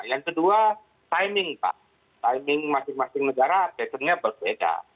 yang kedua timing pak timing masing masing negara patternnya berbeda